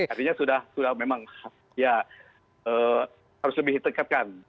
artinya sudah memang ya harus lebih ditekatkan